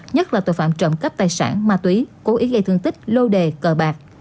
nhất là tội phạm trộm cắp tài sản ma túy cố ý gây thương tích lô đề cờ bạc